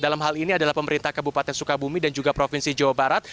dalam hal ini adalah pemerintah kabupaten sukabumi dan juga provinsi jawa barat